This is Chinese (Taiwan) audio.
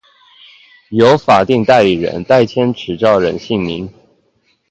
由法定代理人代簽持照人姓名